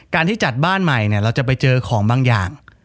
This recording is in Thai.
ที่จัดบ้านใหม่เนี่ยเราจะไปเจอของบางอย่าง